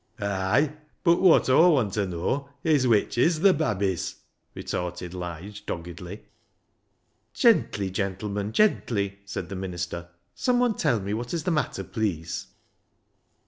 " Ay ! but wot Aw want ta know is which is th' babbies?" retorted Ligc doggedly. 34$ BECKSIDE LIGHTS " Gently, gentlemen, gently !" said the minister. " Someone tell me what is the matter, please."